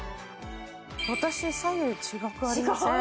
私左右違くありません？